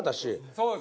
そうです。